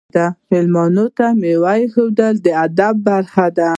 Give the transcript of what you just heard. میلمنو ته میوه ایښودل د ادب برخه ده.